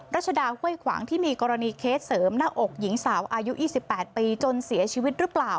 รัชดาห้วยขวางที่มีกรณีเคสเสริมหน้าอกหญิงสาวอายุ๒๘ปีจนเสียชีวิตหรือเปล่า